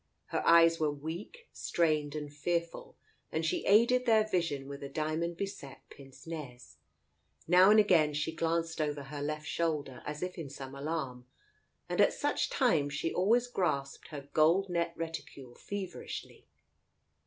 Her eyes were weak, strained, and fearful, and she aided their vision with a diamond beset pince nez. Now and again she glanced over her left shoulder as if in some alarm, and at such times she always grasped her gold net reticule feverishly.